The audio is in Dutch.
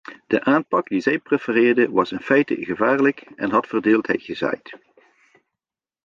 De aanpak die zij prefereerde was in feite gevaarlijk en had verdeeldheid gezaaid.